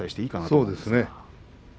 そうですね。